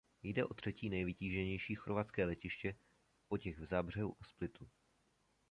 Jde o třetí nejvytíženější chorvatské letiště po těch v Záhřebu a Splitu.